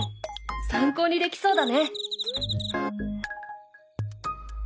参考にできそうだね。